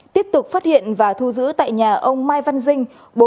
tiếp tục phát hiện và thu giữ tại nhà ông mai văn dinh